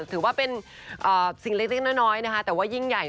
ถือว่าเป็นสิ่งเล็กน้อยนะคะแต่ว่ายิ่งใหญ่